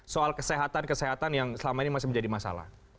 soal kesehatan kesehatan yang selama ini masih menjadi masalah